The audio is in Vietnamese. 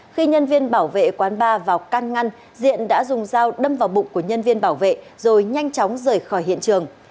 khi nhân viên bảo vệ quán ba vào can ngăn diện đã dùng dao đâm vào bụng của nhân viên bảo vệ rồi nhanh chóng rời khỏi hiện trường